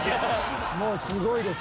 もうすごいです！